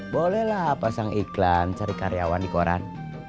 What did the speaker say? bolehlah pasang iklan cari karyawan di koran